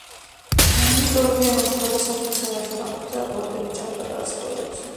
იკვებებიან უმთავრესად მცენარეთა ნაყოფითა და ყლორტებით, ჭამენ პატარა ცხოველებსაც.